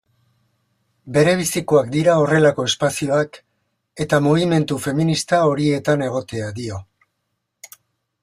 Berebizikoak dira horrelako espazioak, eta mugimendu feminista horietan egotea, dio.